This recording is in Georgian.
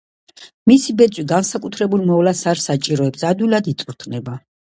მისი ბეწვი განსაკუთრებულ მოვლას არ საჭიროებს, ადვილად იწვრთნება.